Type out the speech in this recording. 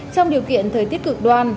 trong điều kiện thời tiết cực đoan